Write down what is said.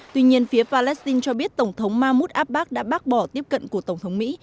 tuy nhiên phía palestine cho biết tổng thống mahmoud abbas đã bác bỏ tiếp cận của tổng thống mỹ